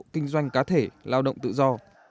kinh doanh cá thể lao động tự do